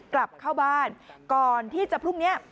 กลับเข้าบ้านก่อนที่จะพรุ่งนี้